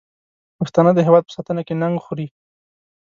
پښتانه د هېواد په ساتنه کې ننګ خوري.